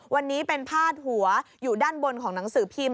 วันนี้เป็นพาดหัวอยู่ด้านบนของหนังสือพิมพ์